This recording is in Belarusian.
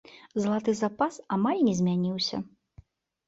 Залаты запас амаль не змяніўся.